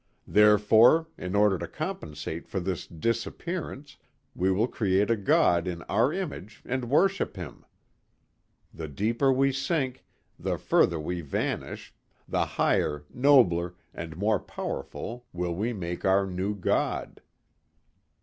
Therefore in order to compensate for this disappearance we will create a God in our image and worship Him. The deeper we sink, the further we vanish, the higher, nobler and more powerful will we make our new God.